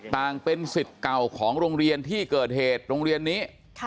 ต่างเป็นสิทธิ์เก่าของโรงเรียนที่เกิดเหตุโรงเรียนนี้